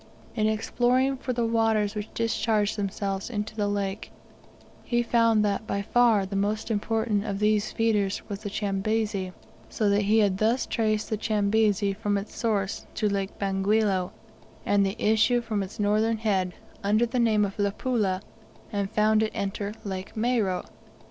In exploring for the waters which discharged themselves into the lake, he found that by far the most important of these feeders was the Chambezi; so that he had thus traced the Chambezi from its source to Lake Bangweolo, and the issue from its northern head, under the name of Luapula, and found it enter Lake Moero.